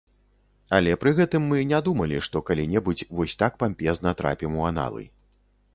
Але пры гэтым мы не думалі, што калі-небудзь вось так пампезна трапім у аналы.